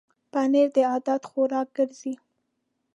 پنېر د عادت خوراک ګرځي.